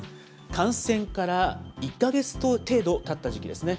感染から１か月程度たった時期ですね。